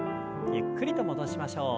ゆったりと動きましょう。